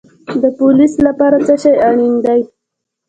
د پولیس لپاره څه شی اړین دی؟